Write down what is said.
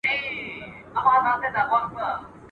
لکه شاعر د زړه په وینو مي نظمونه لیکم !.